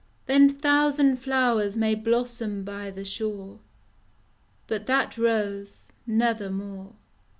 Then thousand flowers may blossom by the shore, But that Rose never more.